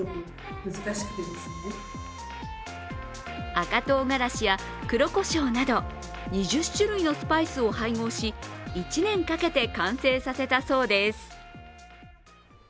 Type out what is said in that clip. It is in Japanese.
赤唐辛子や黒こしょうなど２０種類のスパイスを配合し、１年かけて完成させたそうです。